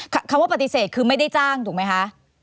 คำว่าปฏิเสธคือไม่ได้จ้างถูกไหมคะ